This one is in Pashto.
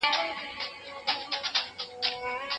د کلیو روغتیایي کمیټې څه کوي؟